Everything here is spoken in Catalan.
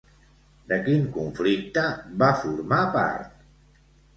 De quin conflicte va formar part?